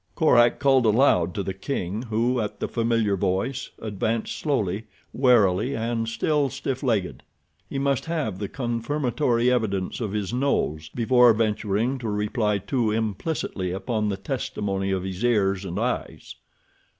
Korak called aloud to the king, who, at the familiar voice, advanced slowly, warily, and still stiff legged. He must have the confirmatory evidence of his nose before venturing to rely too implicitly upon the testimony of his ears and eyes.